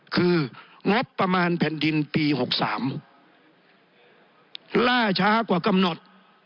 คืองบประมาณแผ่นดินปี๖๓ล่าช้ากว่ากำหนด